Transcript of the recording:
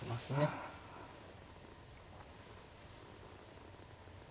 うん。